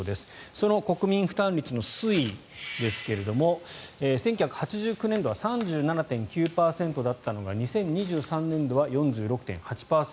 その国民負担率の推移ですが１９８９年度は３７．９％だったのが２０２３年度は４６．８％。